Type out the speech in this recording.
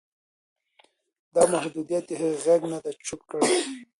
دا محدودیت د هغې غږ نه دی چوپ کړی.